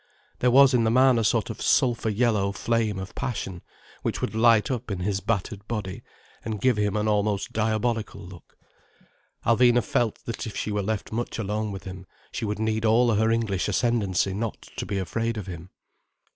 There was in the man a sort of sulphur yellow flame of passion which would light up in his battered body and give him an almost diabolic look. Alvina felt that if she were left much alone with him she would need all her English ascendancy not to be afraid of him.